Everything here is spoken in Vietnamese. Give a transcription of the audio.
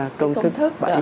cái công thức